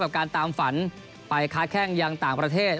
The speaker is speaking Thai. การตามฝันไปค้าแข้งยังต่างประเทศ